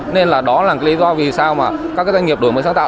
nên là đó là cái lý do vì sao mà các doanh nghiệp đổi mới sáng tạo